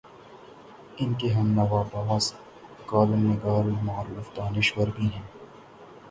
ان کے ہم نوا بعض کالم نگار المعروف دانش ور بھی ہیں۔